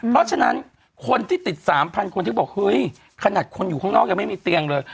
เพราะฉะนั้นคนที่ติด๓๐๐คนที่บอกเฮ้ยขนาดคนอยู่ข้างนอกยังไม่มีเตียงเลย